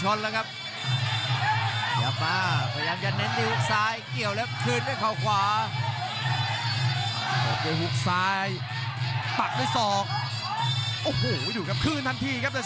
โอ้แล้วเสียบในอีกทีครับ